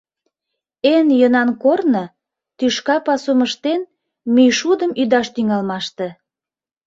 Эн йӧнан корно, — тӱшка пасум ыштен, мӱйшудым ӱдаш тӱҥалмаште.